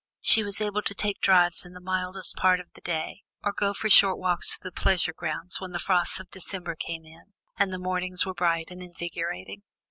She was able to take drives in the mildest part of the day, or go for short walks through the pleasure grounds when the frosts of December came in, and the mornings were bright and invigorating.